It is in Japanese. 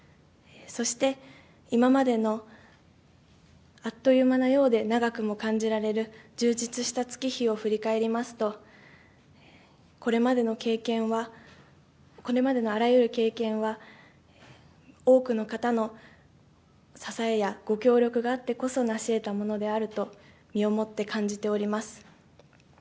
そして、今までのあっという間のようで長くも感じられる充実した月日を振り返りますと、これまでの経験は、これまでのあらゆる経験は、多くの方の支えやご協力があってこそ成し得たものであると、身をもって感じております。